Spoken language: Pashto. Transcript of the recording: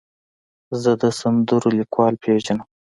زه د سندرو لیکوال پیژنم.